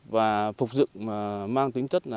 và phục dựng mang tính chất